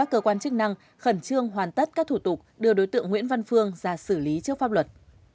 cơ quan chức năng khẩn trương hoàn tất các thủ tục đưa đối tượng nguyễn văn phương ra xử lý trước pháp luật